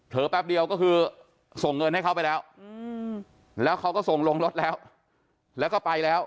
แป๊บเดียวก็คือส่งเงินให้เขาไปแล้วแล้วเขาก็ส่งลงรถแล้วแล้วก็ไปแล้ว